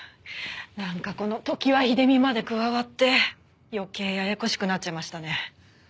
なんかこの常盤秀美まで加わって余計ややこしくなっちゃいましたね。